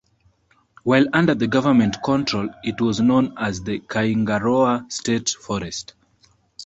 While under government control it was known as the Kaingaroa State Forest.